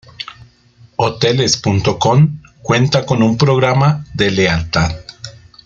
Hoteles.com cuenta con un programa de lealtad.